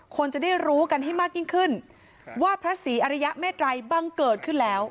คนจะได้รู้กันให้มากยิ่งขึ้นว่าพระศรีอริยเมตรัยบังเกิดขึ้นแล้ว